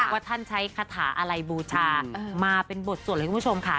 ว่าท่านใช้คาถาอะไรบูชามาเป็นบทสวดเลยคุณผู้ชมค่ะ